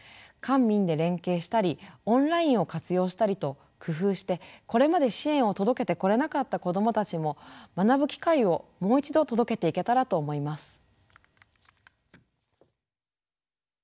官民で連携したりオンラインを活用したりと工夫してこれまで支援を届けてこられなかった子どもたちも学ぶ機会をもう一度届けていけたらと思います。